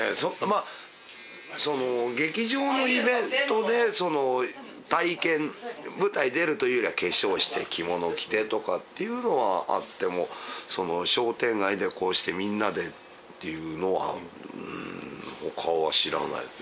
まあ劇場のイベントでその体験舞台出るというよりは化粧して着物を着てとかっていうのはあっても商店街でこうしてみんなでっていうのはほかは知らないですね。